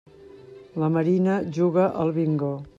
La Marina juga al bingo.